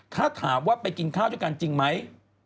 ถ้าถามว่าไปกินข้าวด้วยกันจริงไหม